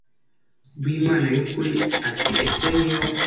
w Imana y ukuri ati ese niyo